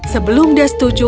sebelum dia setuju